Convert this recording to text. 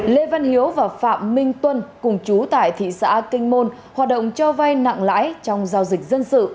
lê văn hiếu và phạm minh tuân cùng chú tại thị xã kinh môn hoạt động cho vay nặng lãi trong giao dịch dân sự